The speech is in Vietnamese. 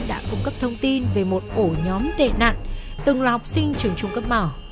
đã cung cấp thông tin về một ổ nhóm tệ nạn từng là học sinh trường trung cấp mỏ